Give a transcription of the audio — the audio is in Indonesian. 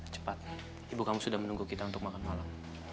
cepat ibu kamu sudah menunggu kita untuk makan malam